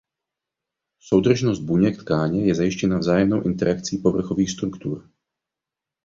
Soudržnost buněk tkáně je zajištěna vzájemnou interakcí povrchových struktur.